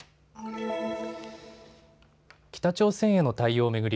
北朝鮮への対応を巡り